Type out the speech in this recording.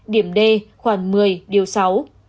điểm d khoảng một mươi điều sáu